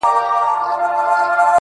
د هوا نه یې مرګ غواړه قاسم یاره,